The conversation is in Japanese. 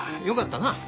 よかったな。